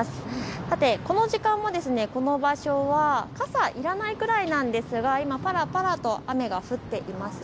さてこの時間もこの場所は傘いらないくらいなんですが今、ぱらぱらと雨が降っています。